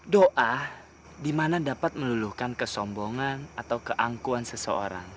doa di mana dapat meluluhkan kesombongan atau keangkuan seseorang